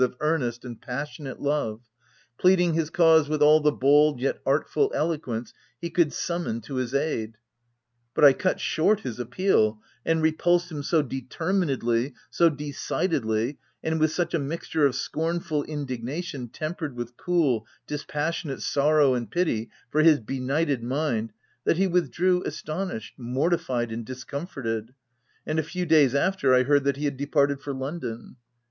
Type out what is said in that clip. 347 of earnest and passionate love ; pleading his cause with all the bold yet artful eloquence he could summon to his aid. But I cut short his appeal, and repulsed him so determinately, so decidedly, and with such a mixture of scornful indignation tempered with cool, dispassionate sorrow and pity for his benighted mind, that he withdrew, astonished, mortified, and dis comforted ; and, a few days after, I heard that he had departed for London.